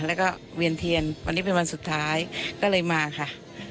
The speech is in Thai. แล้วก็เวียนเทียนวันนี้เป็นวันสุดท้ายก็เลยมาค่ะ